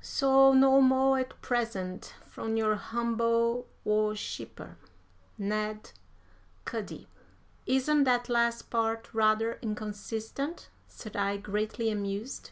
So no mo' at present, from your humble worshipper, "NED CUDDY." "Isn't that last part rather inconsistent?" said I, greatly amused.